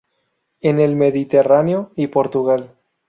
En el Mediterráneo y Portugal.